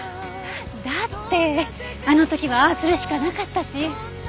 だってあの時はああするしかなかったし。